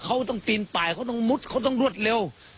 เขาต้องปีนป่ายเขาต้องมุดเขาต้องรวดเร็ว